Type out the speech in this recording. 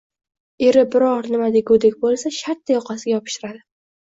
Eri biror nima degudek bo`lsa, shartta yoqasiga yopishtiradi